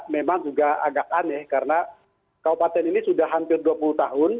memang juga agak aneh karena kabupaten ini sudah hampir dua puluh tahun